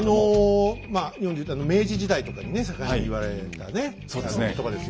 まあ日本で言ったら明治時代とかにね盛んに言われたね言葉ですよね。